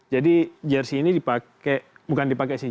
jadi jersi ini dipakai bukan dipakai sih